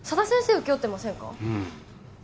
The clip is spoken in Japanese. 請け負ってませんか？